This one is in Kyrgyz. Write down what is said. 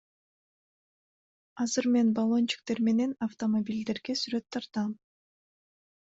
Азыр мен баллончиктер менен автомобилдерге сүрөт тартам.